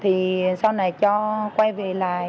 thì sau này cho quay về lại